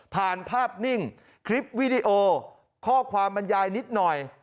ภาพนิ่งคลิปวิดีโอข้อความบรรยายนิดหน่อย